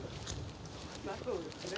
まそうですね。